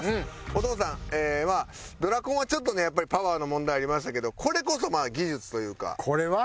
お父さんはドラコンはちょっとねパワーの問題ありましたけどこれこそ技術というか。